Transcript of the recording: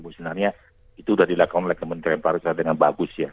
sebenarnya itu sudah dilakukan oleh kementerian pariwisata dengan bagus ya